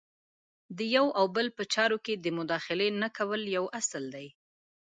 د یو او بل په چارو کې د مداخلې نه کول یو اصل دی.